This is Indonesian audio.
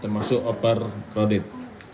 termasuk oper kredit